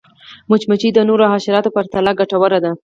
مچمچۍ د نورو حشراتو په پرتله ګټوره ده